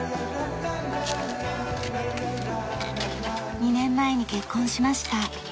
２年前に結婚しました。